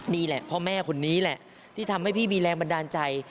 นี่แหละพ่อแม่คนนี้แหละที่ทำให้พี่มีแรงบันดาลใจ